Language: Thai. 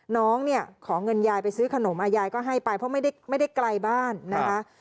น้องเนี่ยขอเงินยายไปซื้อขนมยายก็ให้ไปเพราะไม่ได้ไกลบ้านนะคะ